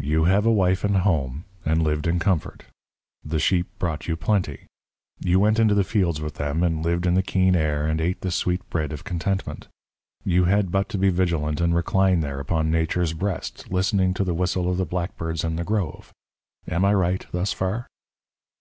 "You have a wife and home, and lived in comfort. The sheep brought you plenty. You went into the fields with them and lived in the keen air and ate the sweet bread of contentment. You had but to be vigilant and recline there upon nature's breast, listening to the whistle of the blackbirds in the grove. Am I right thus far?"